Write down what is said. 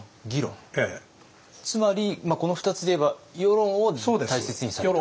つまりこの２つで言えば輿論を大切にされた。